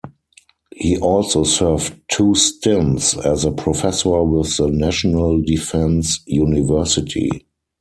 He also served two stints as a professor with the National Defense University.